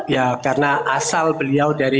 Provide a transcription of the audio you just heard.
ya karena asal beliau dari